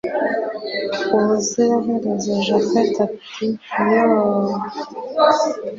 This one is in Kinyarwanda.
ubuzira herezo japhet ati yooh